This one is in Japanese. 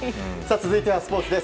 続いてはスポーツです。